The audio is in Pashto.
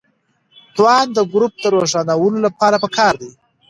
توان د ګروپ د روښانولو لپاره پکار دی.